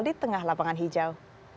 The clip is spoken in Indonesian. di tengah lapangan hijau